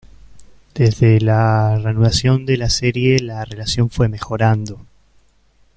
Desde la reanudación de la serie la relación fue mejorando.